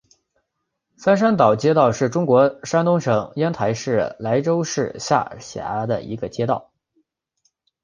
三山岛街道是中国山东省烟台市莱州市下辖的一个街道。